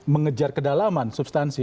mengejar kedalaman substansi